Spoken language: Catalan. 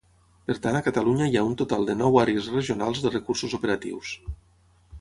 Per tant a Catalunya hi ha un total de nou Àrees Regionals de Recursos Operatius.